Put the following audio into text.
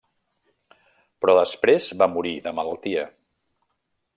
Però després va morir de malaltia.